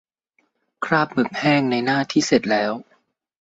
คราบหมึกแห้ง ในหน้าที่เสร็จแล้ว